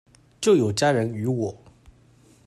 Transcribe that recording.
就有家人與我